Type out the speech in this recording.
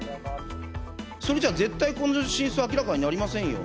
それじゃあ、絶対この真相明らかになりませんよ。